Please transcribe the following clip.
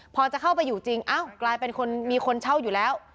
พอจะเข้าไปอยู่จริงอ้าวกลายเป็นคนมีคนเช่าอยู่แล้ว